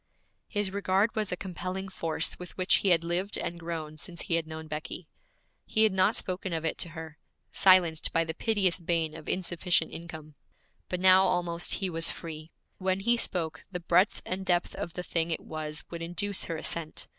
His regard was a compelling force with which he had lived and grown since he had known Becky. He had not spoken of it to her, silenced by the piteous bane of insufficient income; but now almost he was free. When he spoke, the breadth and depth of the thing it was would induce her assent.